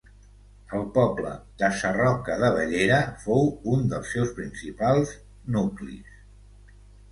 El poble de Sarroca de Bellera fou un dels seus principals nuclis.